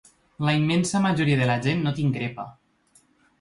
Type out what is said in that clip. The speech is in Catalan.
La immensa majoria de la gent no t’increpa.